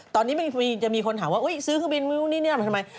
ตอนนี้จะมีคนถามว่าซื้อเครื่องบินนี่ทำไม